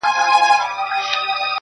زما جانان وې زما جانان یې جانانه یې,